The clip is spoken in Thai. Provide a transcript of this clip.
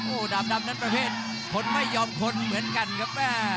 โอ้โหดาบดำนั้นประเภทคนไม่ยอมคนเหมือนกันครับ